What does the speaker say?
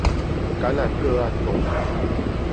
感染個案中